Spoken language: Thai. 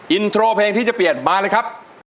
อินโทรเพลงที่จะเปลี่ยนมาเลยครับ